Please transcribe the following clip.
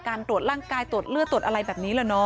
ตรวจร่างกายตรวจเลือดตรวจอะไรแบบนี้เหรอเนาะ